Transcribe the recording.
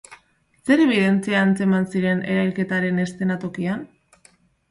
Zer ebidentzia antzeman ziren erailketaren eszenatokian?